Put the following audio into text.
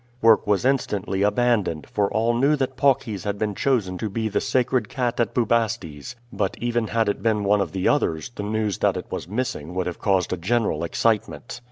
Work was instantly abandoned, for all knew that Paucis had been chosen to be the sacred cat at Bubastes; but even had it been one of the others, the news that it was missing would have caused a general excitement.